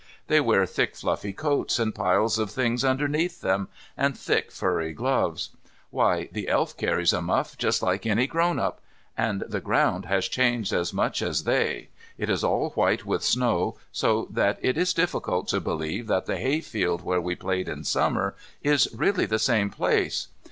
They wear thick, fluffy coats and piles of things underneath them, and thick furry gloves. Why, the Elf carries a muff just like any grown up. And the ground has changed as much as they. It is all white with snow, so that it is difficult to believe that the hayfield where we played in Summer is really the same place.